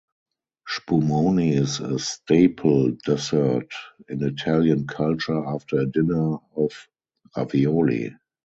Spumoni is a staple dessert in Italian culture after a dinner of ravioli.